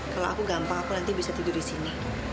kalau aku gampang aku nanti bisa tidur di sini